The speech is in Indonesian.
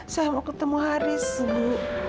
saya mau ketemu haris bu